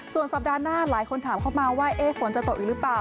ส่วนสัปดาห์หน้าหลายคนถามเข้ามาว่าฝนจะตกอีกหรือเปล่า